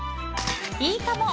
いいかも！